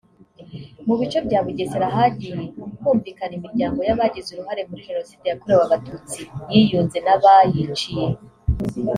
Mu bice bya Bugesera hagiye kumvikana imiryango y’abagize uruhare muri Jenoside yakorewe Abatutsi yiyunze n’abayiciye